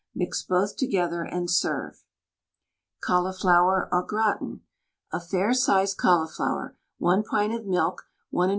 Mix both together, and serve. CAULIFLOWER AU GRATIN. A fair sized cauliflower, 1 pint of milk, 1 1/2 oz.